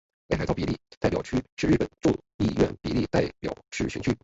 北海道比例代表区是日本众议院比例代表制选区。